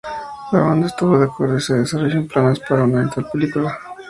La banda estuvo de acuerdo, y se desarrollaron planes para una eventual película.